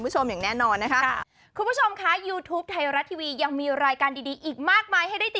จอเล่นเอาล่ะเดี๋ยวเก็บภาพบรรยากาศ